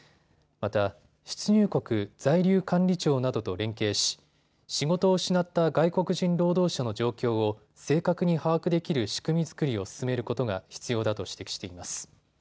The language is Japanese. また出入国在留管理庁などと連携し、仕事を失った外国人労働者の状況を正確に把握できる仕組み作りを進めることが必要だと指摘しています。